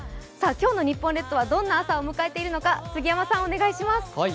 今日の日本列島はどんな朝を迎えているのか杉山さんお願いします。